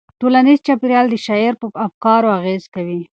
ټولنیز چاپیریال د شاعر په افکارو اغېز کوي.